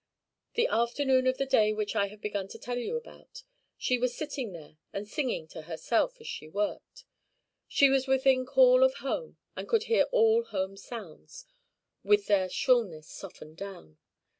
The afternoon of the day which I have begun to tell you about, she was sitting there, and singing to herself as she worked: she was within call of home, and could hear all home sounds, with their shrillness softened down.